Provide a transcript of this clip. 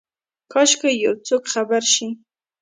کاشکي یوڅوک خبر شي،